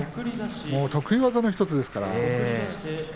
得意技の１つですから。